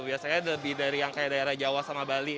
biasanya lebih dari yang kayak daerah jawa sama bali